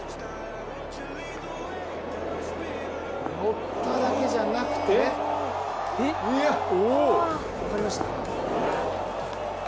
乗っただけじゃなくて分かりました？